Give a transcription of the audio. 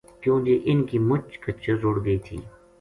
کیوں جے اِنھ کی مُچ کچر رُڑ گئی تھی